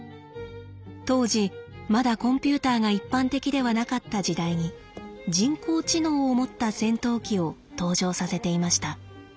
当時まだコンピューターが一般的ではなかった時代に人工知能を持った戦闘機を登場させていました。